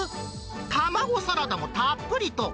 卵サラダもたっぷりと。